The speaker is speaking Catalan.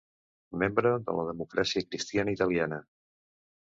Membre de la Democràcia Cristiana Italiana.